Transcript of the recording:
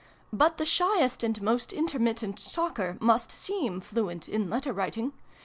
But the shyest and most intermittent talker must seem fluent in letter writing.